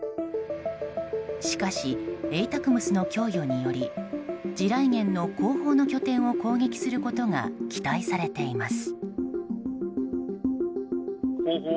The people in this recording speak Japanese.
しかしＡＴＡＣＭＳの供与により地雷原の後方の拠点を攻撃することが期待されています。